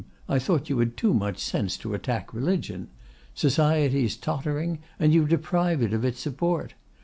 I thought you had too much sense to attack religion. Society is tottering, and you deprive it of its support.